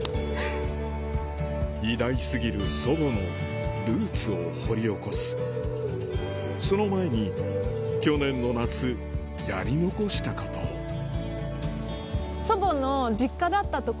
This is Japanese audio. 偉大過ぎる祖母のルーツを掘り起こすその前に去年の夏やり残したことを今回結構ある。